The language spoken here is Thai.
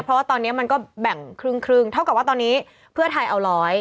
เพราะว่าตอนนี้มันก็แบ่งครึ่งเท่ากับว่าตอนนี้เพื่อไทยเอาร้อย